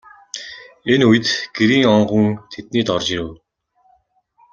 Энэ үед Гэрийн онгон тэднийд орж ирэв.